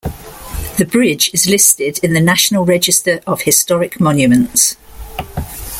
The bridge is listed in the National Register of Historic Monuments.